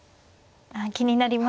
気になりますね。